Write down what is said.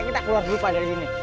kita keluar dulu pak dari sini